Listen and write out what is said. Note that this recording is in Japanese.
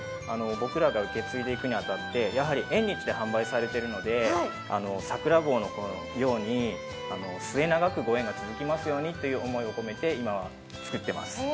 僕らが受け継いでいくにあたって縁日で販売されているのでさくら棒のように末永くご縁が続きますようにという願いを込めて今は作っています。